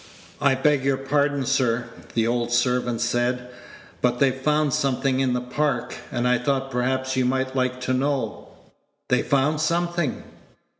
"I beg your pardon, sir," the old servant said, "but they've found something in the Park, and I thought perhaps you might like to know " "They've found something?